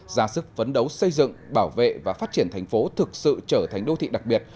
ra sức phấn đấu xây dựng bảo vệ và phát triển thành phố thực sự trở thành đô thị đặc biệt